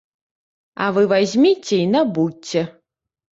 А вы вазьміце й набудзьце.